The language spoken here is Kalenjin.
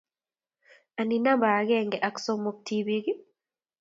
Anii namba akenge ako somok tibiik?